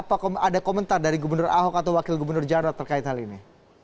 apa ada komentar dari gubernur ahok atau wakil gubernur jarod terkait hal ini